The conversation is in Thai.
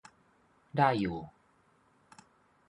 ได้อยู่